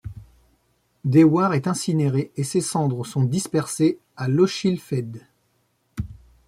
Dewar est incinéré et ses cendres sont dispersées à Lochilphead.